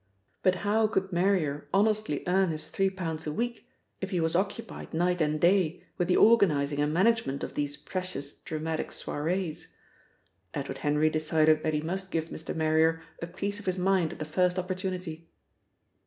But how could Marrier honestly earn his three pounds a week if he was occupied night and day with the organising and management of these precious dramatic soirées? Edward Henry decided that he must give Mr. Marrier a piece of his mind at the first opportunity.